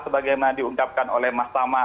sebagaimana diungkapkan oleh mas tama